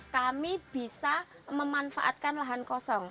kami bisa memanfaatkan lahan kosong